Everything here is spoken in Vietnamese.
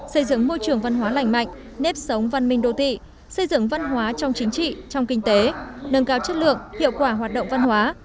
xây dựng môi trường văn hóa lành mạnh nếp sống văn minh đô thị xây dựng văn hóa trong chính trị trong kinh tế nâng cao chất lượng hiệu quả hoạt động văn hóa